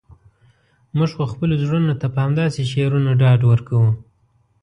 موږ خو خپلو زړونو ته په همداسې شعرونو ډاډ ورکوو.